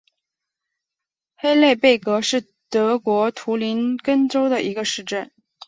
黑内贝格是德国图林根州的一个市镇。